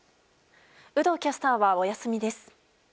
有働キャスターはお休みです。